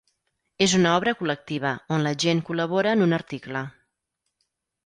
És una obra col·lectiva on la gent col·labora en un article.